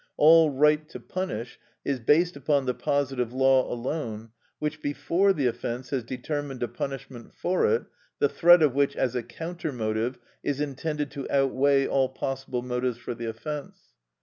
All right to punish is based upon the positive law alone, which before the offence has determined a punishment for it, the threat of which, as a counter motive, is intended to outweigh all possible motives for the offence.